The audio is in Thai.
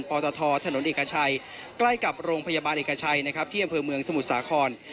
ปตทถนนเอกชัยใกล้กับโรงพยาบาลเอกชัยนะครับที่อำเภอเมืองสมุทรสาคร